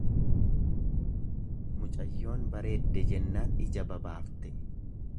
Micayyoon bareedde jennaan ija babaafte.